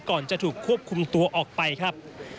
ก่อนจะถูกควบคุมตัวออกไปครับ